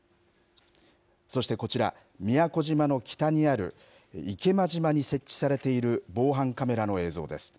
そしてこちら、宮古島の北にある池間島に設置されている防犯カメラの映像です。